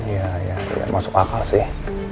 iya iya masuk akal sih